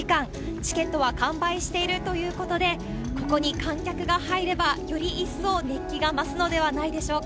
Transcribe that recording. チケットは完売しているということで、ここに観客が入れば、より一層熱気が増すのではないでしょうか。